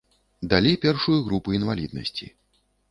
Далі першую групу інваліднасці.